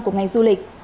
của ngành du lịch